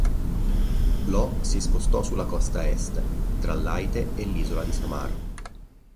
Lo" si spostò sulla costa est, tra Leyte e l'Isola di Samar.